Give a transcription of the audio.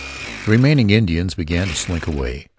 The remaining Indians began to slink away.